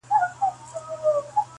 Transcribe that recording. • په همزولو په سیالانو کي منلې -